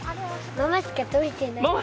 ママしか取れてない？